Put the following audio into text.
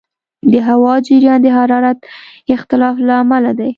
د هوا جریان د حرارت اختلاف له امله دی.